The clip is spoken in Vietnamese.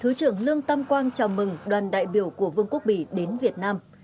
thứ trưởng lương tâm quang chào mừng đoàn đại biểu của vương quốc bỉ đến việt nam